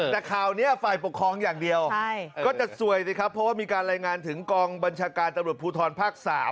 แต่ข่าวนี้ฝ่ายปกครองอย่างเดียวก็จะสวยสิครับเพราะว่ามีการรายงานถึงกองบัญชาการตำรวจภูทรภาค๓